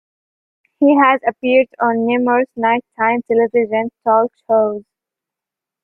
He has appeared on numerous nighttime television talk shows.